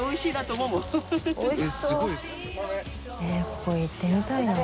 ここ行ってみたいな。